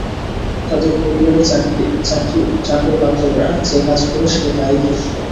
তাদের পরিবারে চাকরিবাকাররা যে-কাজ করে, সে তাই করত।